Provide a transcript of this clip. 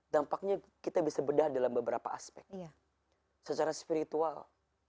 dampaknya kita bisa bedah dalam beberapa aspek secara spiritual